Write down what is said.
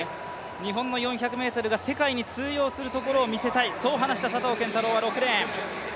日本の４００ｍが世界に通用するところを見せたい、そう話していた佐藤拳太郎は６レーン。